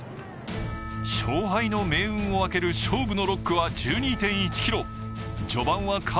勝負の命運を分ける勝負の６区は１２．５ｋｍ。